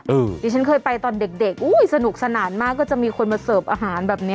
ดิฉันเคยไปตอนเด็กอุ้ยสนุกสนานมากก็จะมีคนมาเสิร์ฟอาหารแบบนี้